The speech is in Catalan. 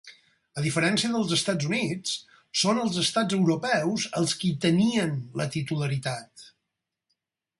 A diferència dels Estats Units, són els estats europeus els qui en tenien la titularitat.